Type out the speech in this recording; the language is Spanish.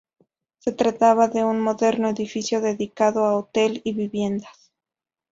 Se trataba de un moderno edificio dedicado a hotel y viviendas.